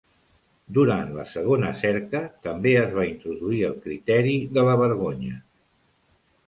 Durant la segona cerca també es va introduir el criteri de la vergonya.